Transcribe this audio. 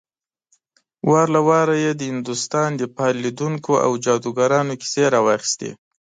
وار له واره يې د هندوستان د فال ليدونکو او جادوګرانو کيسې راواخيستې.